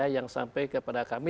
yang sampai kepada kami